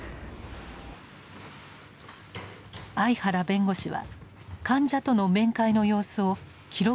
相原弁護士は患者との面会の様子を記録に残していました。